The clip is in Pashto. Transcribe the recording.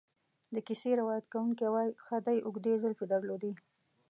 د کیسې روایت کوونکی وایي خدۍ اوږدې زلفې درلودې.